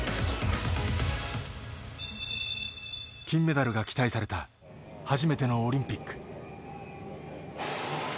金メダルが期待された初めてのオリンピック。